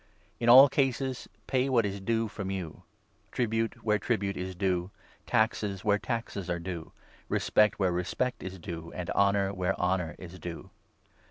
In all cases pay what is due from 7 you — tribute where tribute is due, taxes where taxes are due, respect where respect is due, and honour where honour is due.